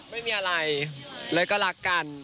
ไม่มีอะไรเลยก็รักกัน